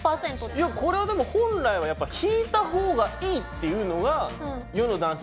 いやこれはでも本来はやっぱ引いたほうがいいっていうのが世の男性